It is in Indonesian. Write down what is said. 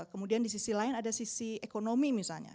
kemudian di sisi lain ada sisi ekonomi misalnya